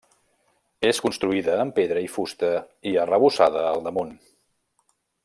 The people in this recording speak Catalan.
És construïda amb pedra i fusta i arrebossada al damunt.